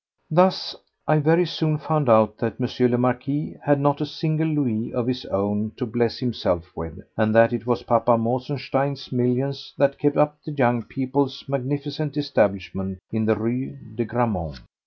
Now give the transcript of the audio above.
Thus I very soon found out that M. le Marquis had not a single louis of his own to bless himself with, and that it was Papa Mosenstein's millions that kept up the young people's magnificent establishment in the Rue de Grammont.